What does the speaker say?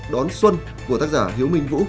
đón xuân của tác giả hiếu minh vũ